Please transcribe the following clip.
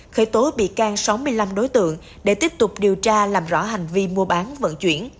khởi tố bị can sáu mươi năm đối tượng để tiếp tục điều tra làm rõ hành vi mua bán vận chuyển